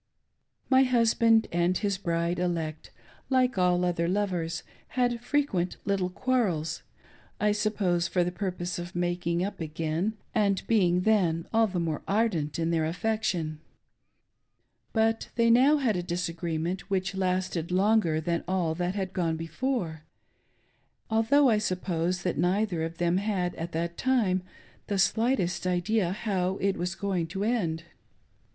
My husband and his bride elect, like all other lovers, had frequent little quarrels — I suppose for the purpose of making up again, and being then all the more ardent in their affection. But they now had z. disagreement which lasted longer than all that had gone before; although I suppose that neither of them had, at that time, the slightest idea how it was going to end.